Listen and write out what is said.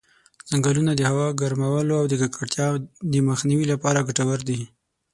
ځنګلونه د هوا د ګرمولو او د ککړتیا د مخنیوي لپاره ګټور دي.